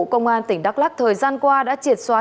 công an tỉnh đắk lắc thời gian qua đã triệt xóa